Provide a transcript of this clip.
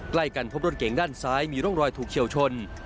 ใกล้กันพบรถเก่งด้านซ้ายมีร่องรอยถูกเฉียวชน